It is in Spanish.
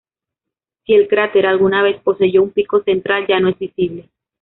Si el cráter alguna vez poseyó un pico central, ya no es visible.